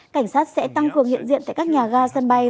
cảnh sát sẽ tăng cường hiện diện tại các nhà ga sân bay